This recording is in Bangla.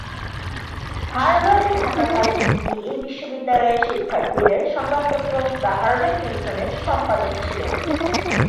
হার্ভার্ডে থাকাকালীন তিনি এই বিশ্ববিদ্যালয়ের শিক্ষার্থীদের সংবাদপত্র "দ্য হার্ভার্ড ক্রিমসন"-এর সম্পাদক ছিলেন।